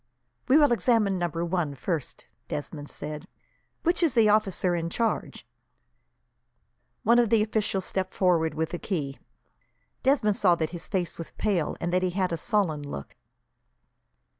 "We will examine number one first," Desmond said. "Which is the officer in charge?" One of the officials stepped forward, with a key. Desmond saw that his face was pale, and that he had a sullen look.